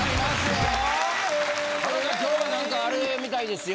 今日は何かあれみたいですよ。